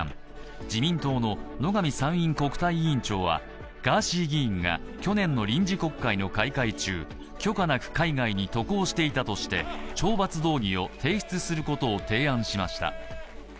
自民党の野上参院国体委員長はガーシー議員が去年の臨時国会の開会中、許可なく海外に渡航していたとして懲罰動議を提出することを提案しました。